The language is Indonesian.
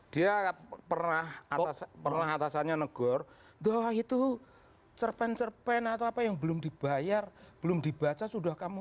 dia pernah atasannya negur doa itu cerpen cerpen atau apa yang belum dibayar belum dibaca sudah kamu baca